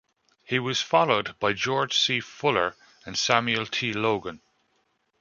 He was followed by George C. Fuller and Samuel T. Logan.